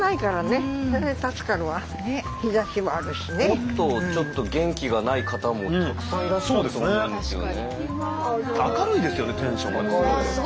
もっとちょっと元気がない方もたくさんいらっしゃると思うんですよね。